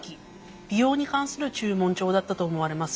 美容に関する註文帳だったと思われます。